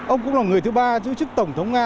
ông cũng là người thứ ba giữ chức tổng thống nga